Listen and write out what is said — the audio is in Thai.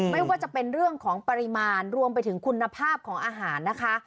ไม่ว่าจะเป็นเรื่องของปริมาณรวมไปถึงคุณภาพของอาหารนะคะ